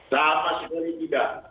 sama sekali tidak